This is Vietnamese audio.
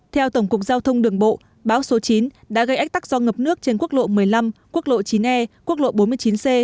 theo tổng cục giao thông đường bộ bão số chín đã gây ách tắc do ngập nước trên quốc lộ một mươi năm quốc lộ chín e quốc lộ bốn mươi chín c